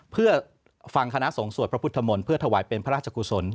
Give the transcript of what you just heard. เพื่อฟังคณะสงฆ์สวดพระพุทธมนตร์เพื่อถวายเป็นพระราชกุศล